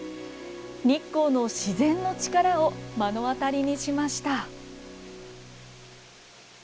日光の自然の力を目の当たりにしました。